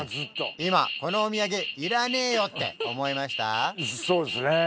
今このお土産いらねえよって思いました？